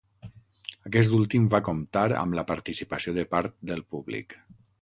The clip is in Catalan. Aquest últim va comptar amb la participació de part del públic.